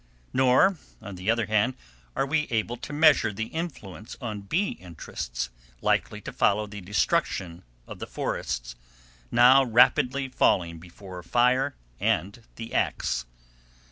Nor, on the other hand, are we able to measure the influence on bee interests likely to follow the destruction of the forests, now rapidly falling before fire and the ax.